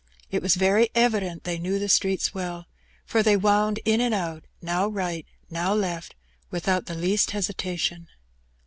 It was very evident they knew the streets well, for they wound in and out, now right, now left, without the least hesitation.